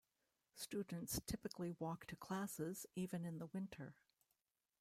Students typically walk to classes, even in the winter.